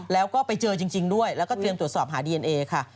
แล้วก็ไปเจอจริงด้วยแล้วก็เตรียมตรวจสอบหาดีเอนเอค่ะ